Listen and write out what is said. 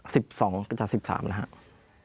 สิบสองจากสิบสามนะครับ